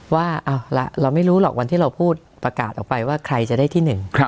ว่าเอาละเราไม่รู้หรอกวันที่เราพูดประกาศออกไปว่าใครจะได้ที่หนึ่ง